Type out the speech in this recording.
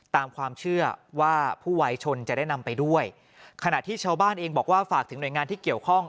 ตามความเชื่อว่าผู้วัยชนจะได้นำไปด้วยขณะที่ชาวบ้านเองบอกว่าฝากถึงหน่วยงานที่เกี่ยวข้อง